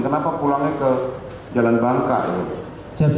kenapa pulangnya ke jalan bangka